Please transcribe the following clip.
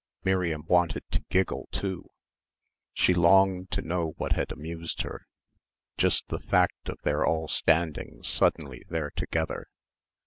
Miriam wanted to giggle too. She longed to know what had amused her ... just the fact of their all standing suddenly there together.